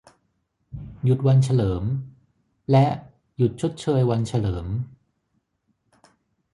หยุดวันเฉลิม และ หยุดชดเชยวันเฉลิม